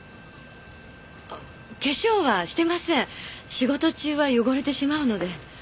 仕事中は汚れてしまうので。